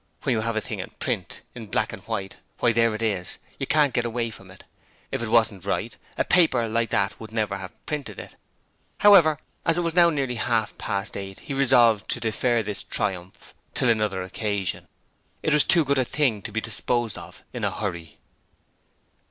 When you have a thing in print in black and white why there it is, and you can't get away from it! If it wasn't right, a paper like that would never have printed it. However, as it was now nearly half past eight, he resolved to defer this triumph till another occasion. It was too good a thing to be disposed of in a hurry.